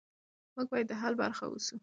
موږ باید د حل برخه اوسو.